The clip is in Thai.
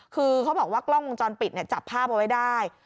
คือเขาบอกว่ากล้องวงจรปิดจับภาพเอาไว้ได้